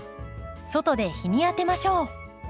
外で日に当てましょう。